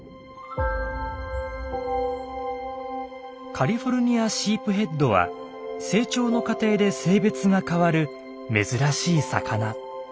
カリフォルニアシープヘッドは成長の過程で性別が変わる珍しい魚。